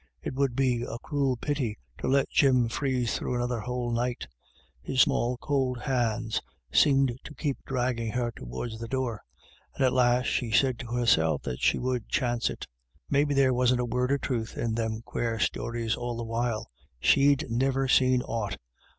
It would be a cruel pity to let Jim freeze through another whole night ; his small cold hands seemed to keep dragging her towards the door ; and at last she said to herself that she would chance it : maybe there wasn't a word of truth in them quare stories all the while; sAe'd niver seen aught.